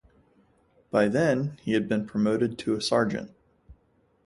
By then he had been promoted to sergeant.